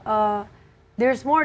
ada lebih dari